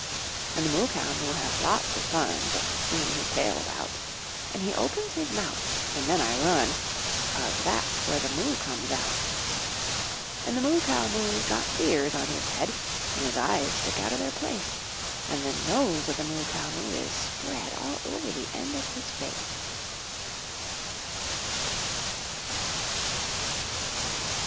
En the Moo Cow Moo has lots of fun Just swinging his tail about; En, he opens his mouth and then I run — Cause that's where the moo comes out> En the Moo Cow Moo's got deers on his head. En his eyes stick out o' their place. En the nose o' the Moo Cow Moo is spread All over the end of his face.